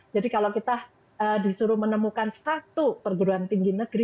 jadi kalau kita disuruh menemukan satu perguruan tinggi negeri